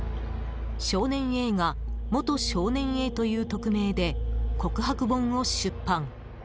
少年Ａが、元少年Ａという匿名で告白本を出版。